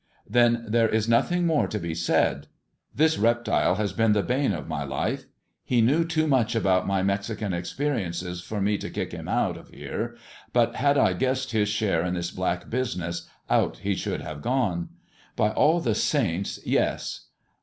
'' Then there is nothing more to be said. This rn has been the bane of my life. He knew too much ai my Mexican experiences for me to kick liim out of h hut had I guessed his share in this black business, out should have gone. By all the saints, yes.